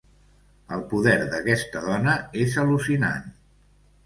El poder d'aquesta dona és al·lucinant.